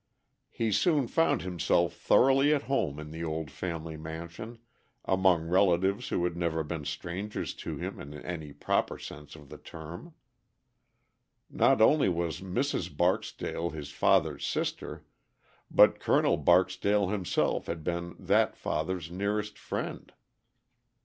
He soon found himself thoroughly at home in the old family mansion, among relatives who had never been strangers to him in any proper sense of the term. Not only was Mrs. Barksdale his father's sister, but Col. Barksdale himself had been that father's nearest friend.